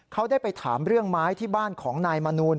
เขาได้ไปถามเรื่องไม้ที่บ้านของนายมนูล